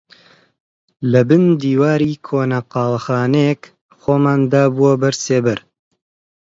لەبن دیواری کۆنە قاوەخانەیەک خۆمان دابووە بەر سێبەر